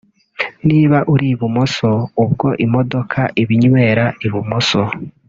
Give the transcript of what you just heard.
niba uri ibumoso ubwo imodoka iba inywera ibumoso